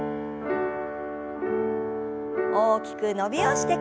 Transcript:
大きく伸びをしてから。